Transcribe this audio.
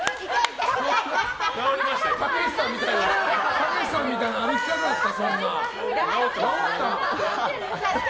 たけしさんみたいな歩き方だった？